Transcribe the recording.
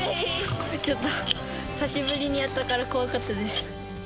ちょっと久しぶりにやったから怖かったです。